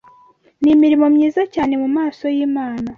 N’imirimo myiza cyane mu maso y’Imana.